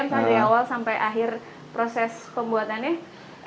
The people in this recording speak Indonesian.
dari awal sampai akhir proses pembuatannya